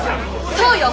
そうよ！